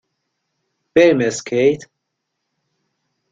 برویم اسکیت؟